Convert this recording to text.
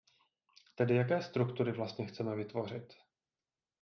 Tedy jaké struktury vlastně chceme vytvořit?